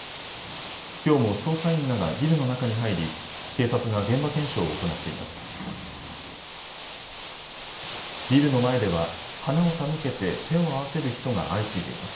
きょうも捜査員らがビルの中に入り警察が現場検証を行っています。